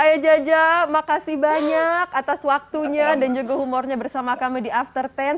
ayah jaja makasih banyak atas waktunya dan juga humornya bersama kami di after sepuluh